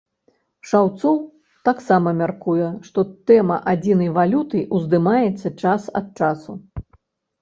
Шаўцоў таксама мяркуе, што тэма адзінай валюты ўздымаецца час ад часу.